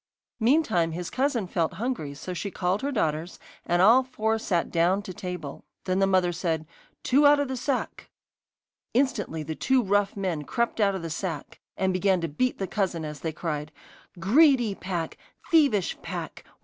Meantime his cousin felt hungry, so she called her daughters, and all four sat down to table. Then the mother said: 'Two out of the sack.' Instantly two rough men crept out of the sack, and began to beat the cousin as they cried: 'Greedy pack! Thievish pack!